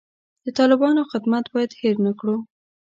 د طالبانو خدمت باید هیر نه کړو.